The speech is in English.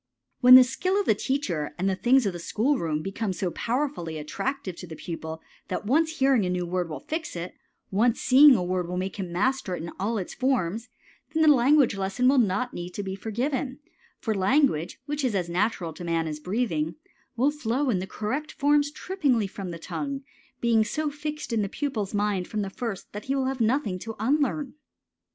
When the skill of the teacher and the things of the school room become so powerfully attractive to the pupil that once hearing a new word will fix it, once seeing a word will make him master of it in all its forms, then the language lesson will not need to be given; for language, which is as natural to man as breathing, will flow in correct forms trippingly from the tongue, being so fixed in the pupil's mind from the first that he will have nothing to unlearn.